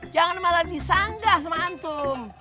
jangan malah disanggah sama anak